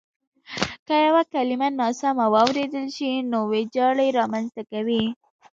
که یوه کلیمه ناسمه واورېدل شي نو وېجاړی رامنځته کوي.